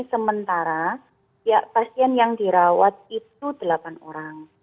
sementara pasien yang dirawat itu delapan orang